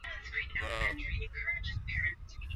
ra ya afya imetoa tangazo la tahadhari kwa wananchi kwani